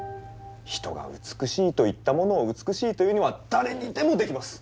人が「美しい」と言ったものを「美しい」と言うのは誰にでもできます。